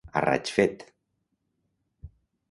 A raig fet.